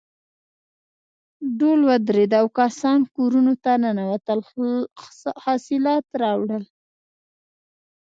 ډول ودرېد او کسان کورونو ته ننوتل حاصلات راوړل.